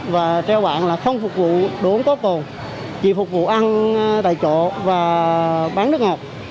và treo bạn là không phục vụ đồ uống có cồn chỉ phục vụ ăn tại chỗ và bán nước ngọt